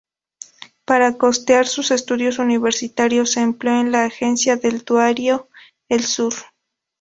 Para costear sus estudios universitarios se empleó en la agencia del diario "El Sur".